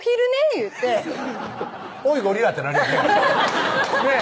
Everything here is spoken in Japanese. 言うて「おいゴリラ」ってなるよねねぇ